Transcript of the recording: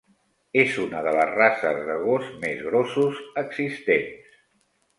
És una de les races de gos més grossos existents.